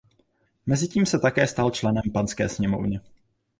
Mezitím se také stal členem Panské sněmovny.